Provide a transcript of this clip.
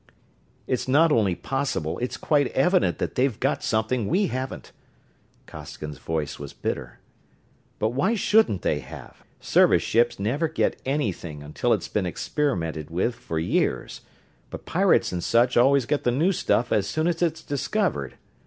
"It's not only possible; it's quite evident that they've got something we haven't." Costigan's voice was bitter. "But why shouldn't they have? Service ships never get anything until it's been experimented with for years, but pirates and such always get the new stuff as soon as it's discovered.